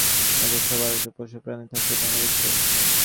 তোমাদের সবার যদি পোষাপ্রাণী থাকত, তোমরা বুঝতে।